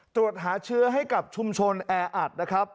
ตรวจหาเชื้อให้กับชุมชนแออัดนะครับ